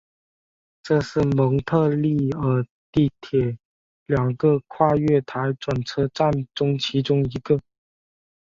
这是蒙特利尔地铁两个跨月台转车站中其中一个。